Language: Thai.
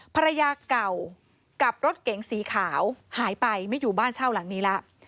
ภรรยาเก่ากับรถเก๋งสีขาวหายไปไม่อยู่บ้านเช่าหลังนี้แล้ว